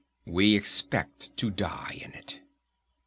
We expect to die in it.